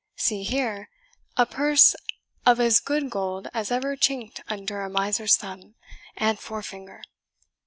See here! a purse of as good gold as ever chinked under a miser's thumb and fore finger.